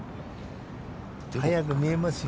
速く見えますよ。